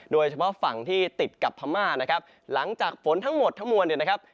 โดยเฉพาะฝั่งที่ติดกับพม่านะครับหลังจากฝนทั้งหมดทั้งมวลเนี่ยนะครับ